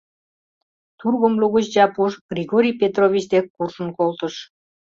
Тургым лугыч Япуш Григорий Петрович дек куржын колтыш.